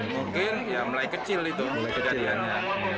mungkin ya mulai kecil itu kejadiannya